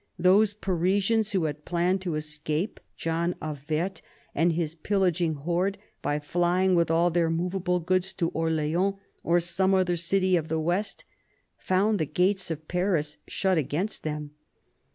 Those Parisians who had planned to escape John of Werth and his pillaging horde by flying with all their movable goods to Orleans or some other city of the west, found the gates of Paris shut against them.